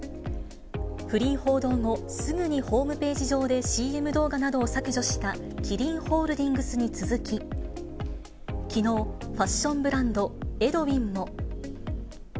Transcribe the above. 不倫報道後、すぐにホームページ上でＣＭ動画などを削除したキリンホールディングスに続き、きのう、ファッションブランド、ＥＤＷＩＮも。